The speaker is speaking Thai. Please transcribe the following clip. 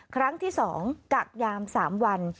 ครั้งที่๒กักยาม๓วัน